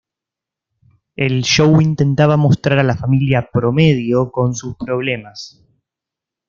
El show intentaba mostrar a la familia "promedio" con sus problemas.